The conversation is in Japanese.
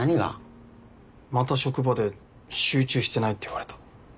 また職場で集中してないって言われた。